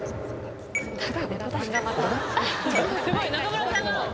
俺が⁉すごい中村さんが。